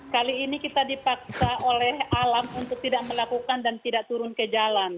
kali ini kita dipaksa oleh alam untuk tidak melakukan dan tidak turun ke jalan